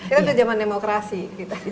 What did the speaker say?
itu udah zaman demokrasi